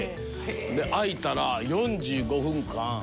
で開いたら４５分間。